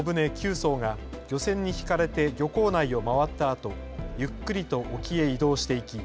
そうが漁船に引かれて漁港内を回ったあとゆっくりと沖へ移動していき